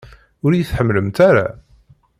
Ur iyi-tḥemmlemt ara?